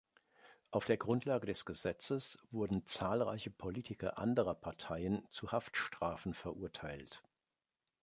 Auf der Grundlage des Gesetzes wurden zahlreiche Politiker anderer Parteien zu Haftstrafen verurteilt.